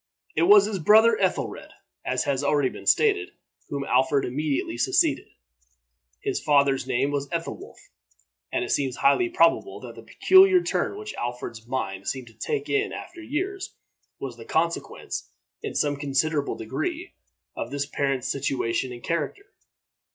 It was his brother Ethelred, as has already been stated, whom Alfred immediately succeeded. His father's name was Ethelwolf; and it seems highly probable that the peculiar turn which Alfred's mind seemed to take in after years, was the consequence, in some considerable degree, of this parent's situation and character.